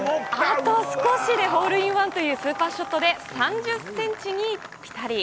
あと少しでホールインワンというスーパーショットで３０センチにぴたり。